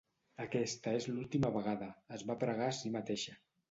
"Aquesta és l'última vegada", es va pregar a si mateixa.